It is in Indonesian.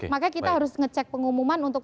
maka kita harus ngecek pengumuman untuk